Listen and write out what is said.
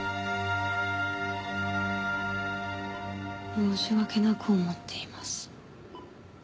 申し訳なく思っています。